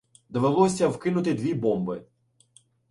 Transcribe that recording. Довелося вкинути дві бомби.